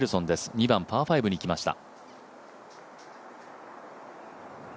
２番パー５に来ました。